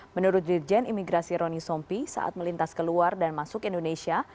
menurut dirjen imigrasi roni sompi saat melintas keluar dan masuk indonesia